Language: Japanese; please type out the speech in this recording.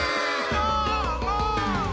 どーも！